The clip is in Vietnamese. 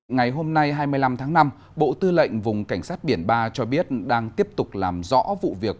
ngày hôm nay hai mươi năm tháng năm bộ tư lệnh vùng cảnh sát biển ba cho biết đang tiếp tục làm rõ vụ việc